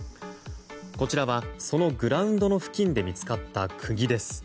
こちらはそのグラウンドの付近で見つかった釘です。